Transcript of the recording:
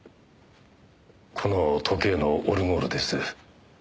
この時計のオルゴールです。